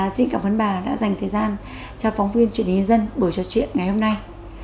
xin cảm ơn bà đã dành thời gian cho phóng viên truyền hình nhân dân bởi trò chuyện ngày hôm nay